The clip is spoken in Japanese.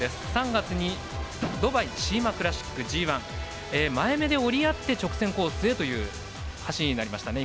３月にドバイシーマクラシック前めで折り合って直線コースへというレースでしたね。